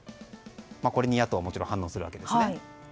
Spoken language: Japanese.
これに野党はもちろん反応するわけですね。